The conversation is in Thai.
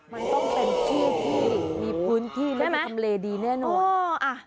มันต้องเป็นที่ที่มีพื้นที่และมันทำเลดีแน่นอน